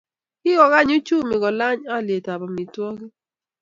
Kikokany uchumi kolany olyetab amitwogik